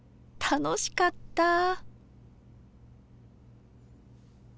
楽しかったぁ。